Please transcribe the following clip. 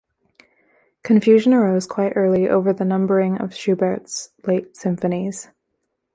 Confusion arose quite early over the numbering of Schubert's late symphonies.